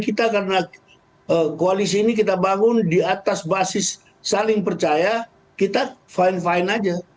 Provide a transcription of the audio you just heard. kita karena koalisi ini kita bangun di atas basis saling percaya kita fine fine aja